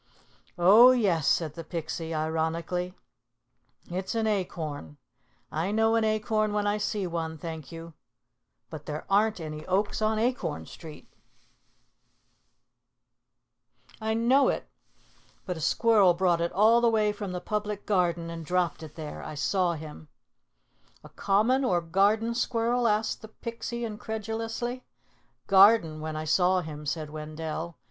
"Oh, yes," said the Pixie, ironically. "It's an acorn. I know an acorn when I see one, thank you. But there aren't any oaks on Acorn Street." [Illustration: SHE GRABBED THE SQUIRREL'S BEAUTIFUL BUSHY TAIL] "I know it. But a squirrel brought it all the way from the Public Garden and dropped it there. I saw him." "A common or garden squirrel?" asked the Pixie incredulously. "Garden when I saw him," said Wendell.